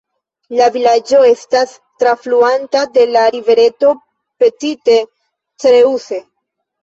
La vilaĝo estas trafluata de la rivereto Petite Creuse.